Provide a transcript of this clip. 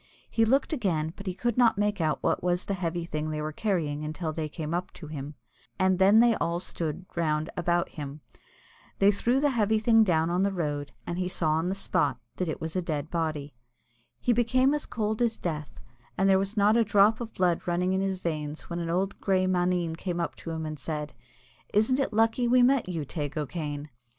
He looked again, but he could not make out what was the heavy thing they were carrying until they came up to him, and then they all stood round about him. They threw the heavy thing down on the road, and he saw on the spot that it was a dead body. He became as cold as the Death, and there was not a drop of blood running in his veins when an old little grey maneen came up to him and said, "Isn't it lucky we met you, Teig O'Kane?"